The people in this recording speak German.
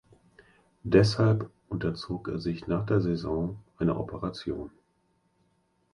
Deshalb unterzog er sich nach der Saison einer Operation.